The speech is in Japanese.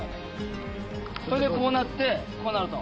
それでこうなってこうなると。